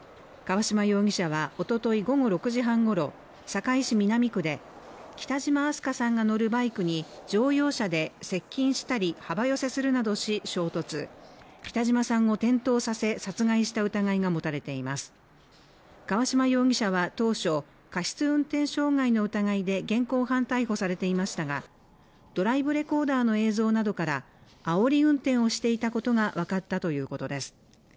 川島容疑者はおととい午後６時半ごろ堺市南区で北島明日翔さんが乗るバイクに乗用車で接近したり幅寄せするなどし衝突北島さんを転倒させ殺害した疑いが持たれています川島容疑者は当初過失運転傷害の疑いで現行犯逮捕されていましたがドライブレコーダーの映像などからあおり運転をしていたことが分かったということです